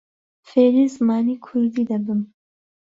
فێری زمانی کوردی دەبم.